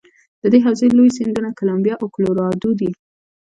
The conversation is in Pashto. د دې حوزې لوی سیندونه کلمبیا او کلورادو دي.